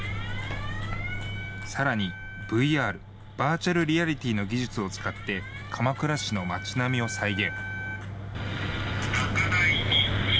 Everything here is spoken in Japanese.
さらに、ＶＲ・バーチャルリアリティーの技術を使って、鎌倉市の町並みを再現。